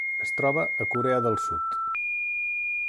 Es troba a Corea del Sud.